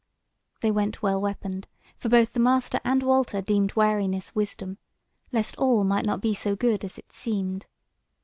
They went well weaponed, for both the master and Walter deemed wariness wisdom, lest all might not be so good as it seemed.